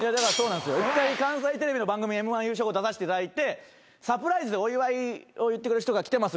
１回関西テレビの番組Ｍ−１優勝後出させていただいて「サプライズでお祝いを言ってくれる人が来てます」